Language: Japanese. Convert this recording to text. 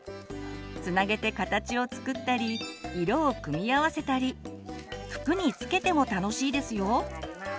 つなげて形を作ったり色を組み合わせたり服に付けても楽しいですよ！